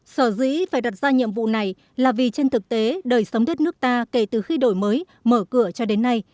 sở dĩ phải đặt ra nhiệm vụ này là vì trên thực tế đời sống đất nước ta kể từ khi đổi mới mở cửa cho đến nay